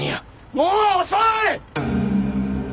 もう遅い！